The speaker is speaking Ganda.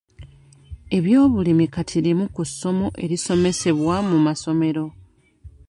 Ebyobulimi kati limu ku ssomo erisomesebwa mu masomero.